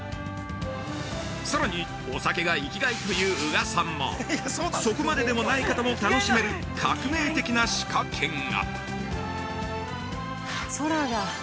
さらに、お酒が生きがいという宇賀さんもそこまででもない方も楽しめる革命的な仕掛けが！